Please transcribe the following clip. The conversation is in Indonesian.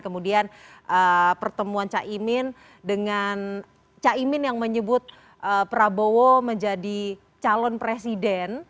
kemudian pertemuan caimin dengan caimin yang menyebut prabowo menjadi calon presiden